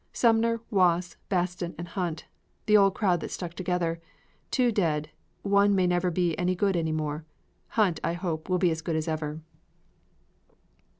Sumner, Wass, Baston and Hunt the old crowd that stuck together; two dead, one may never be any good any more; Hunt, I hope, will be as good as ever.